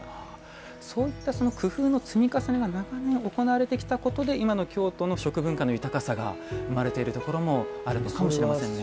そういった工夫の積み重ねが長年行われたことで今の京都の食文化の豊かさが生まれているところもあるのかもしれませんね。